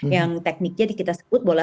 yang tekniknya kita sebut bola